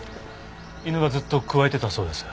犬がずっとくわえてたそうです。